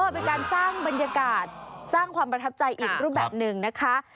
เป็นการสร้างบรรยากาศสร้างความประทับใจอีกรูปแบบหนึ่งนะคะ